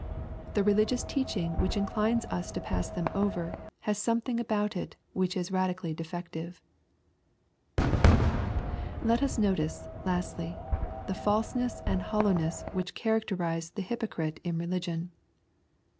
The ) teaching which inclines us to pass them over, ething about it which ia radically defective, s notice, Listly, thefalseness andhoUovmess which mze the hypocrite in religion.